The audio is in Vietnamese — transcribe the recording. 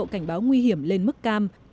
cảnh báo nguy hiểm lên mức cam